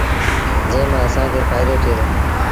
جݩهݩ مآݩ اسآݩ کي ڦآئيدو ٿئي دو۔